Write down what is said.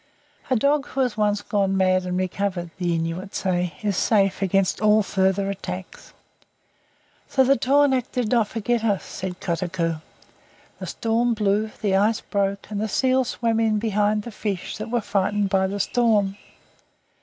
A dog who has once gone mad and recovered, the Inuit say, is safe against all further attacks. "So the tornaq did not forget us," said Kotuko. "The storm blew, the ice broke, and the seal swam in behind the fish that were frightened by the storm.